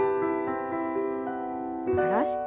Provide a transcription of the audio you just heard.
下ろして。